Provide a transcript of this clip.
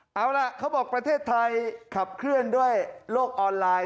เอาล่ะเขาบอกประเทศไทยขับเคลื่อนด้วยโลกออนไลน์